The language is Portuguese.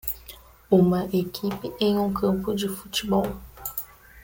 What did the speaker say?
Uma equipe em um campo de futebol.